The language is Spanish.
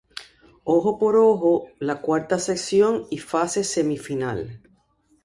Ojo por ojo: La cuarta sección y fase semifinal.